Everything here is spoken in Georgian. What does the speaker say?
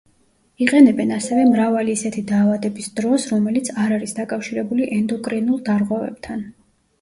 იყენებენ ასევე მრავალი ისეთი დაავადების დროს, რომელიც არ არის დაკავშირებული ენდოკრინულ დარღვევებთან.